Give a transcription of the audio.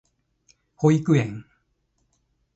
保育園